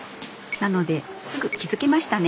なのですぐ気付けましたね。